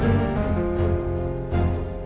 kok kok di sini